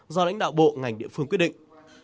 do lãnh đạo bộ ngành địa phương quyết định